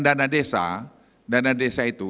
dana desa dana desa itu